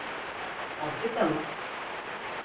Afrika mı?